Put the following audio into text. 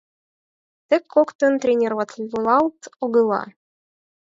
Тек коктын тренироватлалт огыла...